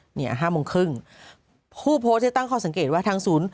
เนี่ยห้าโมงครึ่งผู้โพสต์เนี่ยตั้งข้อสังเกตว่าทางศูนย์